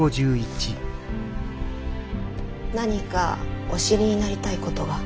何かお知りになりたいことが。